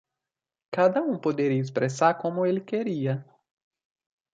Cada um poderia expressar como ele queria.